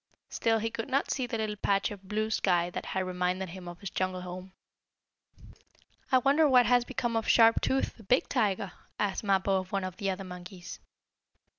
Still he could not see the little patch of blue sky that had reminded him of his jungle home. "I wonder what has become of Sharp Tooth, the big tiger?" asked Mappo, of one of the other monkeys.